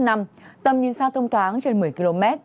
tầm nhìn xa thông thoáng trên một mươi km